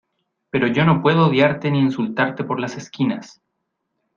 pero yo no puedo odiarte ni insultarte por las esquinas